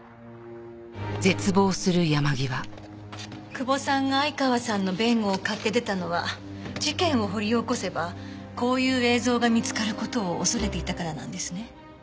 久保さんが相川さんの弁護を買って出たのは事件を掘り起こせばこういう映像が見つかる事を恐れていたからなんですね。